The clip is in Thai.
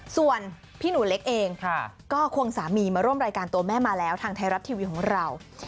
ส่วนพี่หนูเล็กเองก็ควงสามีมาร่วมรายการตัวแม่มาแล้วทางไทยรัฐทีวีของเรา